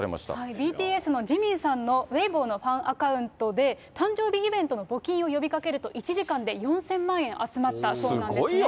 ＢＴＳのジミンさんのウェイボーのファンアカウントで、誕生日イベントの募金を呼びかけると、１時間で４０００万円集ますごいよね。